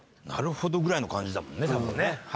「なるほど」ぐらいの感じだもんね。